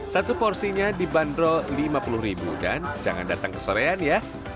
satu porsinya dibanderol rp lima puluh dan jangan datang keserean ya